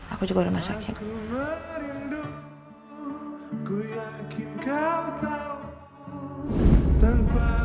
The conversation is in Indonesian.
aku juga udah masakin